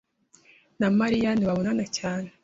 na Mariya ntibabonana cyane.